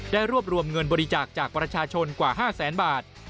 รวบรวมเงินบริจาคจากประชาชนกว่า๕แสนบาท